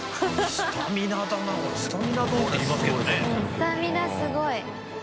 スタミナすごい。